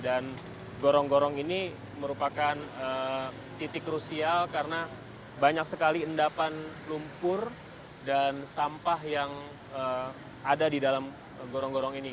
gorong gorong ini merupakan titik krusial karena banyak sekali endapan lumpur dan sampah yang ada di dalam gorong gorong ini